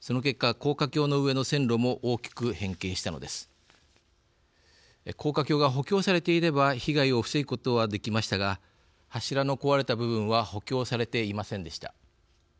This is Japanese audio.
高架橋が補強されていれば被害を防ぐことはできましたが柱の壊れた部分は補強されていませんでした。